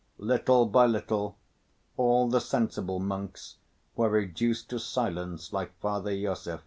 Little by little, all the sensible monks were reduced to silence like Father Iosif.